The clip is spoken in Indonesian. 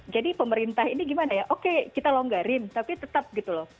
jadi pemerintah ini gimana ya oke kita longgarin tapi tetap gitu loh